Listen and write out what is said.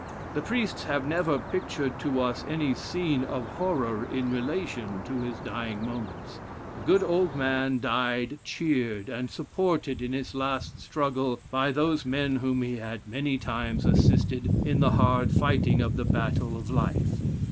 The priests have never pictured to us any scene of horror in relation to his dying moments. The good old man died cheered and supported in his last struggle by those men whom he had many times assisted in the hard fighting of the battle of life.